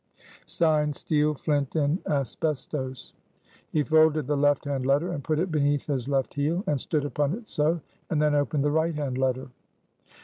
(Signed) STEEL, FLINT & ASBESTOS." He folded the left hand letter, and put it beneath his left heel, and stood upon it so; and then opened the right hand letter.